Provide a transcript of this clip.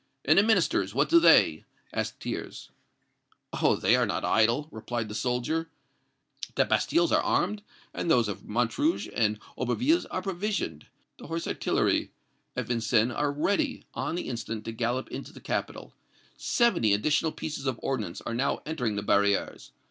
"And the Ministers, what do they?" asked Thiers. "Oh! they are not idle," replied the soldier. "The bastilles are armed, and those of Montrouge and Aubervilliers are provisioned. The horse artillery at Vincennes are ready, on the instant, to gallop into the capital. Seventy additional pieces of ordnance are now entering the barrières.